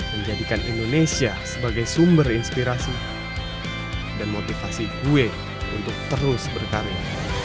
menjadikan indonesia sebagai sumber inspirasi dan motivasi gue untuk terus berkarya